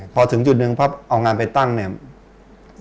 พอถึงจุดหนึ่งเพราะเอางานไปตั้งเนี่ย